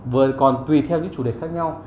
với còn tùy theo những chủ đề khác nhau